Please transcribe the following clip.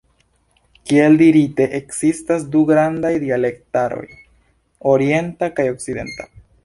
Kiel dirite, ekzistas du grandaj dialektaroj: orienta kaj okcidenta.